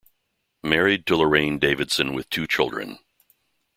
Married to Lorraine Davidson with two children.